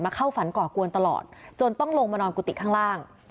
เข้าฝันก่อกวนตลอดจนต้องลงมานอนกุฏิข้างล่าง